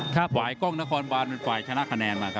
ขวายกล้องนครบานเป็นขวายชนะแค้นมา